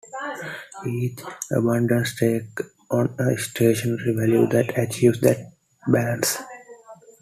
Each abundance takes on a stationary value that achieves that balance.